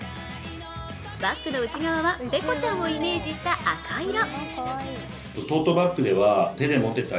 バッグの内側はペコちゃんをイメージした赤色。